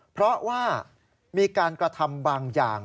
เพราะว่ามีการกระทำบางอย่าง